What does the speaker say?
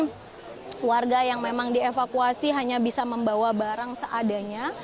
sehingga warga yang memang dievakuasi hanya bisa membawa barang seadanya